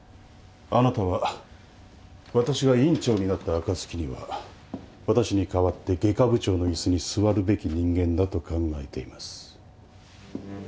あなたは私が院長になった暁には私に代わって外科部長の椅子に座るべき人間だと考えています。